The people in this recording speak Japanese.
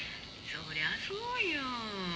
「そりゃそうよ」